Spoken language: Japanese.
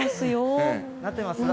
なってますよ。